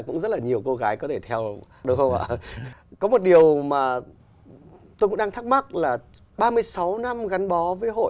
cũng rất là nhiều cô gái